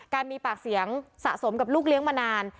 มีปากเสียงสะสมกับลูกเลี้ยงมานาน